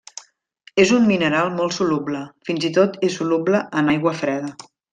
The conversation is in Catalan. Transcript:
És un mineral molt soluble; fins i tos és soluble en aigua freda.